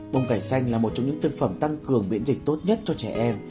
bông cải xanh là một trong những thực phẩm tăng cường miễn dịch tốt nhất cho trẻ em